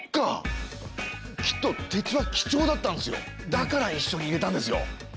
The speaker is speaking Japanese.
だからいっしょに入れたんですよ。